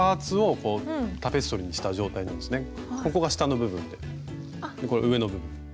ここが下の部分でこれ上の部分。